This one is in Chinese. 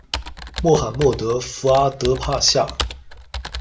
默罕默德·福阿德帕夏